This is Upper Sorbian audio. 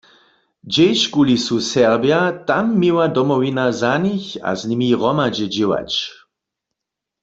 Hdźežkuli su Serbja, tam měła Domowina za nich a z nimi hromadźe dźěłać.